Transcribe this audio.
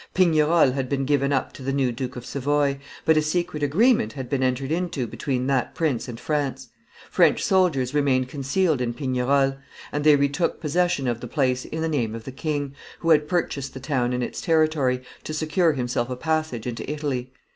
Pignerol had been given up to the new Duke of Savoy, but a secret agreement had been entered into between that prince and France: French soldiers remained concealed in Pignerol; and they retook possession of the place in the name of the king, who had purchased the town and its territory, to secure himself a passage into Italy.